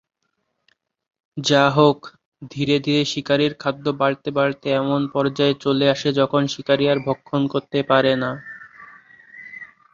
যা হোক, ধীরে ধীরে শিকারীর খাদ্য বাড়তে বাড়তে এমন পর্যায়ে চলে আসে যখন শিকারী আর ভক্ষণ করতে পারে না।